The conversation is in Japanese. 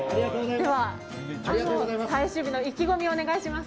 では最終日の意気込みをお願いします。